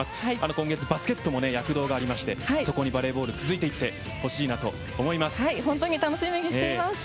今月バスケットも躍動がありましてバレーボールが続いていってほしいと思います。